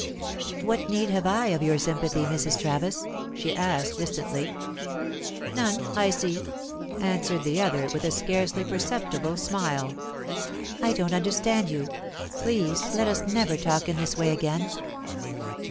"What need have I of your sympathy, Mrs. Travis?" she asked distantly. "None, I see," answered the other, with a scarcely perceptible smile. "I don't understand you. Please let us never talk in this way again."